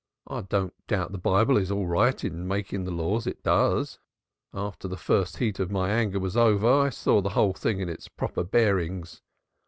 I don't doubt the Bible is all right in making the laws it does. After the first heat of my anger was over, I saw the whole thing in its proper bearings.